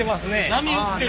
波打ってる。